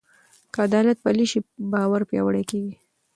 که عدالت پلی شي، باور پیاوړی کېږي.